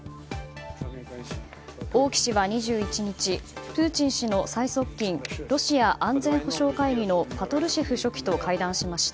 王毅氏は２１日プーチン氏の最側近ロシア安全保障会議のパトルシェフ書記と会談しました。